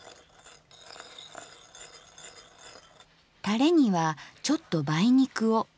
タレにはちょっと梅肉を。